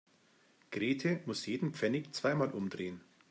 Grete muss jeden Pfennig zweimal umdrehen.